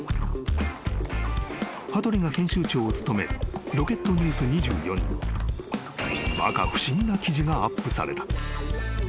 ［羽鳥が編集長を務めるロケットニュース２４にまか不思議な記事がアップされた］